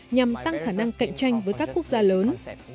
nhằm tăng khả năng cạnh tranh với các quốc gia lớn